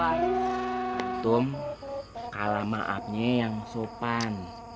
antum kalah maafnya yang sopan